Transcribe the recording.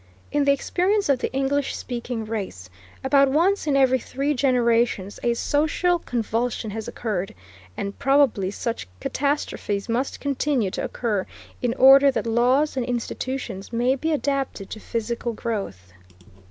In the experience of the English speaking race, about once in every three generations a social convulsion has occurred; and probably such catastrophes must continue to occur in order that laws and institutions may be adapted to physical growth.